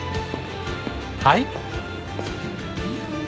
はい？